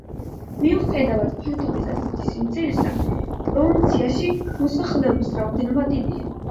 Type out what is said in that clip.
მიუხედავად ფართობის ასეთი სიმცირისა, პროვინციაში მოსახლეობის რაოდენობა დიდია.